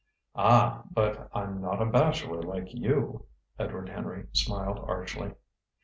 "Ah! But I'm not a bachelor like you," Edward Henry smiled archly.